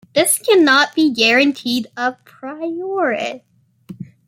This cannot be guaranteed, "a priori".